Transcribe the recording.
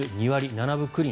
７分９厘